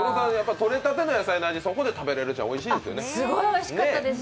採れたての野菜の味、そこで食べれるのはいいですよね。